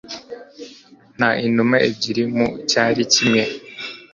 Nka inuma ebyiri mucyari kimwe